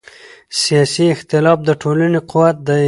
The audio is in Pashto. سیاسي اختلاف د ټولنې قوت دی